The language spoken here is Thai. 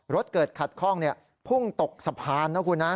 รถเกิดขัดข้องพุ่งตกสะพานนะคุณนะ